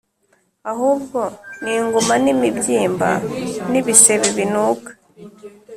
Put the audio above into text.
ahubwo ni inguma n’imibyimba n’ibisebe binuka,